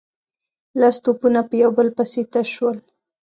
لس توپونه په يو بل پسې تش شول.